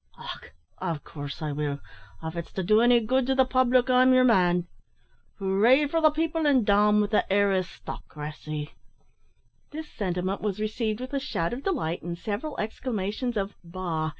"Och! av coorse I will; av it's to do any good to the public, I'm yer man. Hooray! for the people, an' down wi' the aristock racy." This sentiment was received with a shout of delight, and several exclamations of "Bah!"